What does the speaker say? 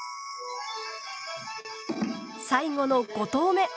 最後の５投目。